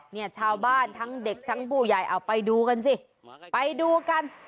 เนี่ยชาวบ้านทั้งเด็กทั้งผู้ใหญ่เอาไปดูกันสิไปดูกัน